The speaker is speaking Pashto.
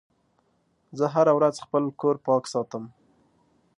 زه هره ورځ خپل کور پاک ساتم.